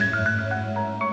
sampai ketemu lagi